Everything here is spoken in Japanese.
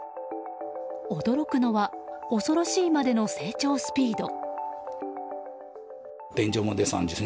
驚くのは恐ろしいまでの成長スピード。